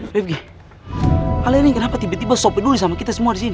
bebki alennya kenapa tiba tiba sope dulu sama kita semua disini